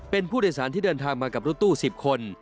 เป็นผู้โดยสารที่เดินทางมากับรถตู้๑๐คน